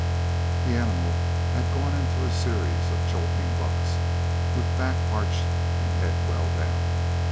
The animal had gone into a series of jolting bucks, with back arched and head well down.